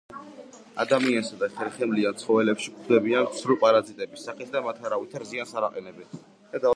ადამიანსა და ხერხემლიან ცხოველებში გვხვდებიან ცრუ პარაზიტების სახით და მათ არავითარ ზიანს არ აყენებენ.